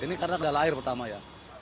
ini karena kedala air pertama ya